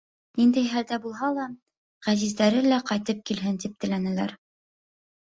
Ниндәй хәлдә булһа ла Ғәзиздәре лә ҡайтып килһен тип теләнеләр.